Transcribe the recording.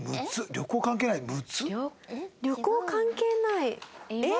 旅行関係ないえっ？